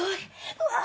うわ！